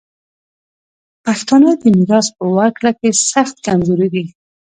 پښتانه د میراث په ورکړه کي سخت کمزوري دي.